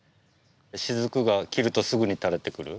しずくが切るとすぐに垂れてくる。